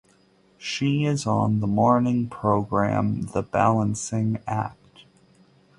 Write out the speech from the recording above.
She is on the morning program "The Balancing Act".